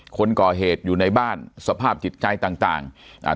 คนก่อเหตุอยู่ในบ้านสภาพจิตใจต่างต่างอ่า